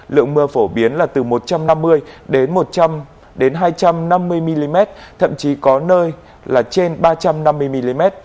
lượng mưa phổ biến là từ một trăm năm mươi một trăm linh hai trăm năm mươi mm thậm chí có nơi là trên ba trăm năm mươi mm